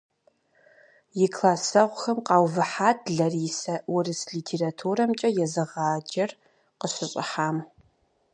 И классэгъухэм къаувыхьат Ларисэ, урыс литературэмкӀэ езыгъаджэр къыщыщӀыхьам.